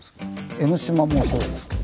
江の島もそうです。